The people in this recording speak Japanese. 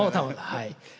はい。